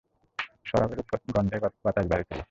শরাবের উৎকট গন্ধে বাতাস ভারী ছিল।